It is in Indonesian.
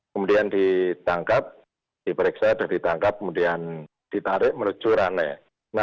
kemudian ditangkap diperiksa dan ditangkap kemudian ditarik melucurannya